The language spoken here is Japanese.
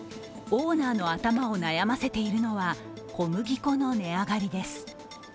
オーナーの頭を悩ませているのは小麦粉の値上がりです。